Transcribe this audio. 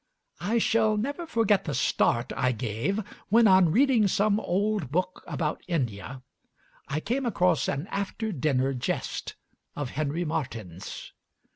I shall never forget the start I gave when, on reading some old book about India, I came across an after dinner jest of Henry Martyn's.